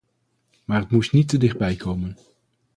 Maar het moest niet te dichtbij komen.